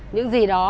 những gì đó